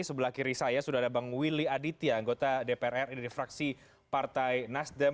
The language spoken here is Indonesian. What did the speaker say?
sebelah kiri saya sudah ada bang willy aditya anggota dpr ri dari fraksi partai nasdem